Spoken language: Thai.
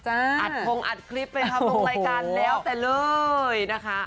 อัดโครงอัดคลิปไปพร้อมตรงรายการแล้วเสร็จเลยนะคะ